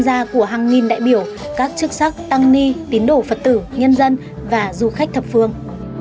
tham gia của hàng nghìn đại biểu các chức sắc tăng ni tín đổ phật tử nhân dân và du khách thập phương